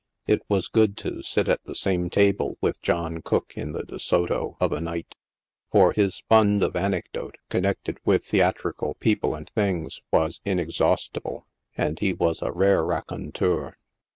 It was good to sit at the same table with John Cooke, in the De Soto, of a night, for his fund of anecdote, connected with theatrical people and things, was inexhaustible, and he was a rare raconteur.